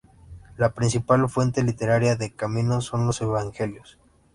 La principal fuente literaria de "Camino" son los Evangelios.